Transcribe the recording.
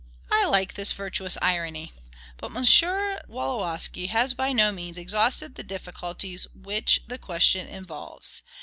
I like this virtuous irony. But M. Wolowski has by no means exhausted the difficulties which the question involves.